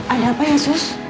ada apa ya sus